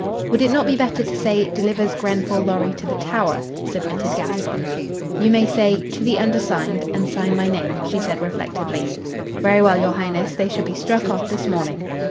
"Would it not be better to say 'delivers Grenfall Lorry to the tower'?" submitted Gaspon. "You may say 'to the undersigned,' and sign my name," she said, reflectively. "Very well, your highness. They shall be struck off this morning."